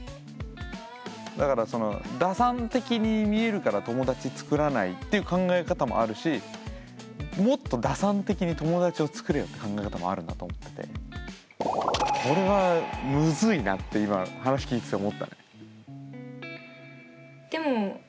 だからその打算的に見えるから友達作らないっていう考え方もあるしもっと打算的に友達を作れよって考え方もあるなと思っててこれはむずいなって今話聞いてて思ったね。